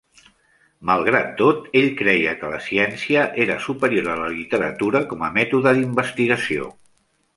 Malgrat tot ell creia que la ciència era superior a la literatura com a mètode d'investigació.